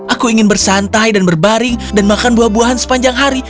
aku ingin bersantai dan berbaring dan makan buah buahan sepanjang hari